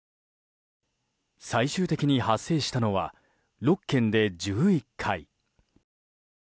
最終的に発生したのは６県で１１回。